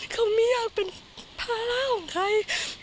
เขาไม่อยากเป็นภาระของใคร